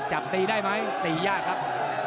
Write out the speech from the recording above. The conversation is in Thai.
จับตีได้ไหมตียากครับ